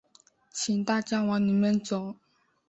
请大家往里面走